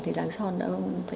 thì giang son đã